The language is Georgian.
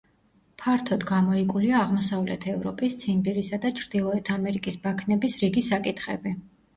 ფართოდ გამოიკვლია აღმოსავლეთ ევროპის, ციმბირისა და ჩრდილოეთ ამერიკის ბაქნების რიგი საკითხები.